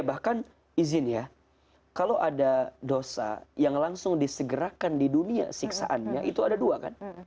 bahkan izin ya kalau ada dosa yang langsung disegerakan di dunia siksaannya itu ada dua kan